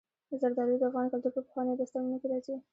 زردالو د افغان کلتور په پخوانیو داستانونو کې راځي.